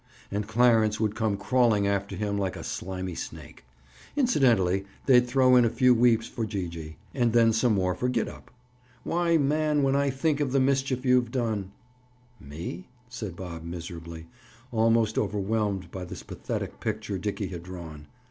And Clarence would come crawling after him like a slimy snake. Incidentally, they'd throw in a few weeps for Gee gee. And then some more for Gid up! Why, man, when I think of the mischief you've done—" "Me?" said Bob miserably, almost overwhelmed by this pathetic picture Dickie had drawn.